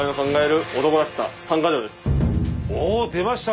おおっ出ました！